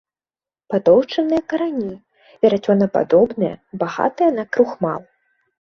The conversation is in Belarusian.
Патоўшчаныя карані, верацёнападобныя, багатыя на крухмал.